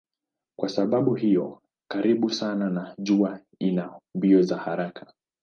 Kwa sababu iko karibu sana na jua ina mbio za haraka.